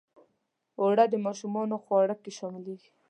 اوړه د ماشومانو خواړه کې شاملیږي